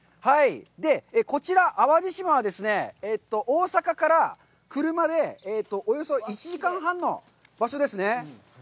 で、こちら淡路島はですね、大阪から車でおよそ１時間半の場所ですね。